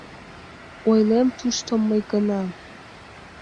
Ойлем тушто мый гына!